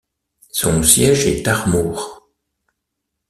Son siège est Armour.